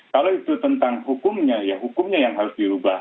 kalau itu tentang hukumnya ya hukumnya yang harus dirubah